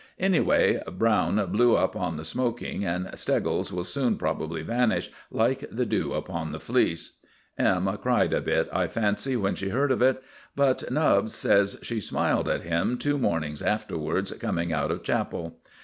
Anyway, Browne blew up on the smoking, and Steggles will soon probably vanish, like the dew upon the fleece. M. cried a bit, I fancy, when she heard it, but Nubbs says she smiled at him two mornings afterwards coming out of chapel.